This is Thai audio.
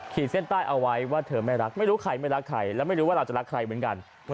ขีดเส้นใต้เอาไว้ว่าเธอไม่รักไม่รู้ใครแต่ไม่รู้ว่าเราจะรักใครเหมือนกัน